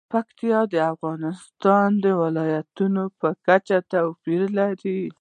پکتیکا د افغانستان د ولایاتو په کچه توپیر لري.